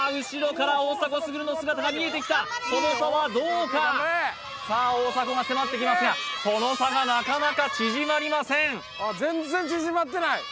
後ろから大迫傑の姿が見えてきたその差はどうかさあ大迫が迫ってきますがその差がなかなか縮まりません